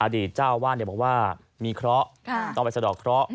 อดีตเจ้าว่าเดี๋ยวบอกว่ามีเคราะต้องไปเสดอกเคราะ